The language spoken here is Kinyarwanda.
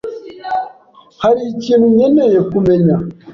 Hari ikintu nkeneye kumenya?